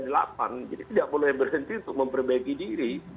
jadi tidak boleh berhenti untuk memperbaiki diri